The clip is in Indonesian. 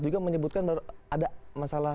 juga menyebutkan bahwa ada masalah